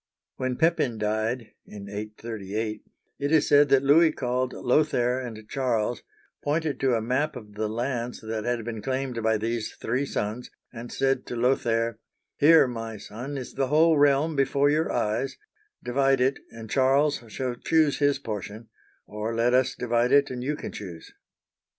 When Pepin died (in 838), it is said that Louis called Lothair and Charles, pointed to a map of the lands that had been claimed by these three sons, and said to Lo thair :" Here, rny son, is the whole realm before your eyes ; divide it, and Charles shall choose his portion ; or let us divide it, and you can choose."